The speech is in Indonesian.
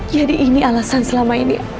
jadi ini alasan selama ini